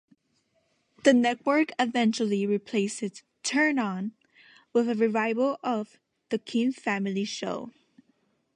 The network eventually replaced "Turn On" with a revival of "The King Family Show".